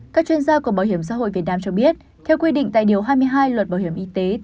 các chuyên gia của bảo hiểm xã hội việt nam cho biết theo quy định tại điều hai mươi hai luật bảo hiểm y tế